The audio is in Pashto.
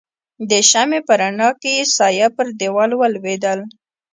د شمعې په رڼا کې يې سایه پر دیوال ولوېدل.